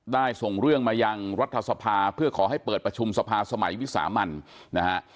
ส่งเรื่องมายังรัฐสภาเพื่อขอให้เปิดประชุมสภาสมัยวิสามันนะฮะ